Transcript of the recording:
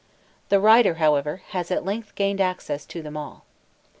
The writer, however, has at length gained access to them all.